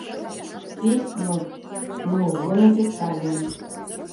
Песню мы ўжо напісалі.